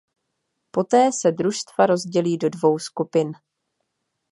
Poté se družstva rozdělí do dvou skupin.